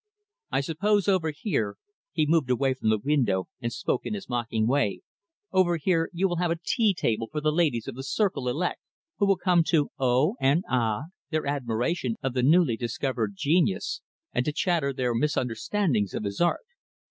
I suppose over here" he moved away from the window, and spoke in his mocking way "over here, you will have a tea table for the ladies of the circle elect who will come to, 'oh', and, 'ah', their admiration of the newly discovered genius, and to chatter their misunderstandings of his art.